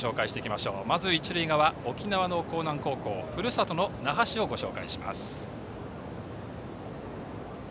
まず、一塁側沖縄の興南高校ふるさとの那覇市をご紹介します。